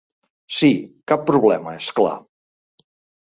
Sí, cap problema, és clar.